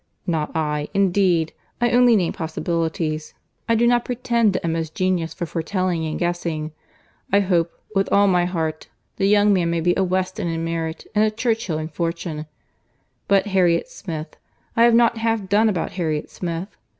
"Not I, indeed. I only name possibilities. I do not pretend to Emma's genius for foretelling and guessing. I hope, with all my heart, the young man may be a Weston in merit, and a Churchill in fortune.—But Harriet Smith—I have not half done about Harriet Smith.